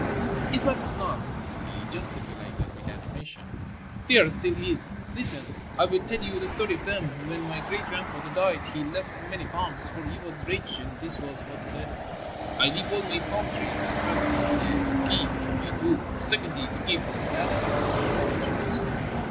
"It matters not," he gesticulated with animation. "They are still his. Listen; I will tell you the story of them. When my great gradfnather died he left many palms, for he was rich, and this was what he said: 'I leave all my palm trees, firstly — to the upkeep of my tomb ; secondly — to give hospitality to strangers.'